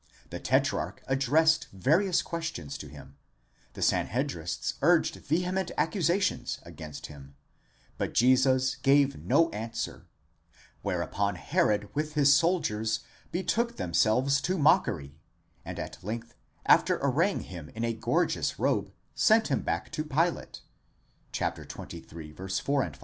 The Tetrarch addressed various questions to him, the Sanhedrists urged vehement accusations against him, but Jesus gave no answer; where upon Herod with his soldiers betook themselves to mockery, and at length, after arraying him in a gorgeous robe, sent him back to Pilate (xxiii. 4 ff.).